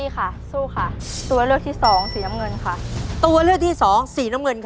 เขาดูละเอียดละออละเมียดละมัยจริง